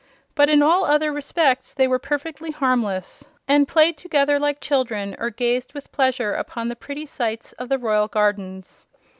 But in all other respects they were perfectly harmless and played together like children or gazed with pleasure upon the pretty sights of the royal gardens.